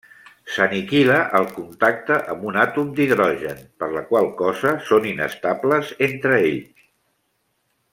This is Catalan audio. S'aniquila al contacte amb un àtom d'hidrogen, per la qual cosa són inestables entre ells.